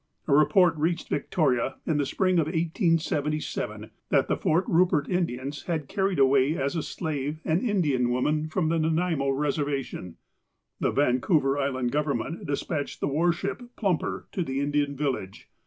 A report reached Victoria, in the spring of 1877, that the Fort Rupert Indians had carried away as a slave an Indian woman from the Nauaimo reservation. The Vancouver Island government despatched the war ship Plumper to the Indian village.